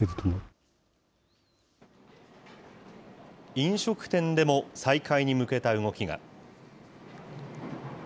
飲食店でも再開に向けた動きが。